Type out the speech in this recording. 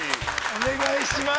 ◆お願いします。